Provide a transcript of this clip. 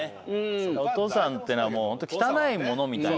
お父さんってのはもうホント汚いものみたいなね。